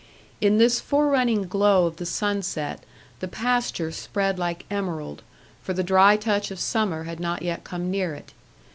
In this forerunning glow of the sunset, the pasture spread like emerald; for the dry touch of summer had not yet come near it.